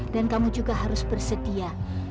dan kamu juga harus bersedia